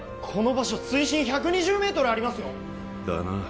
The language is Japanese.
この場所水深１２０メートルありますよだな